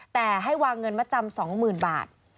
แต่ให้วางเงินมาจำ๒๐๐๐บาท